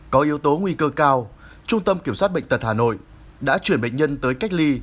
có yếu tố nguy cơ cao trung tâm kiểm soát bệnh tật hà nội đã chuyển bệnh nhân tới cách ly